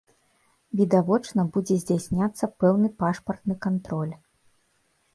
Відавочна будзе здзяйсняцца пэўны пашпартны кантроль.